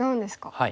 はい。